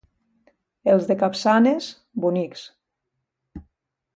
Els de Capçanes, bonics.